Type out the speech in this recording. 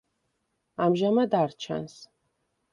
ამჟამად არ ჩანს.